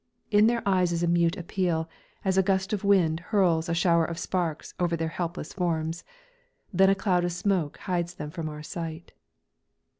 In their eyes is a mute appeal, as a gust of wind hurls a shower of sparks over their helpless forms. Then a cloud of smoke hides them from our sight.